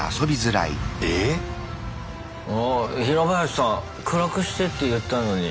ヒラバヤシさん暗くしてって言ったのに。